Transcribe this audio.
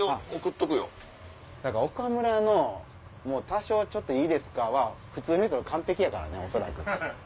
岡村の「多少いいですか？」は普通の人の完璧やからね恐らく。